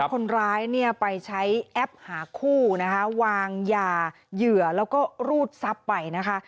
คนร้ายเนี่ยไปใช้แอปหาคู่นะคะวางยาเหยื่อแล้วก็รูดทรัพย์ไปนะคะ